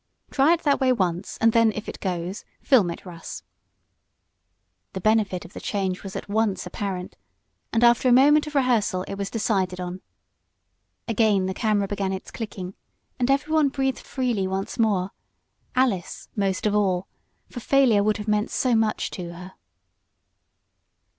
Try it that way once, and then, if it goes, film it, Russ." The benefit of the change was at once apparent, and after a moment of rehearsal it was decided on. Again the camera began its clicking and everyone breathed freely once more, Alice most of all, for failure would have meant so much to her.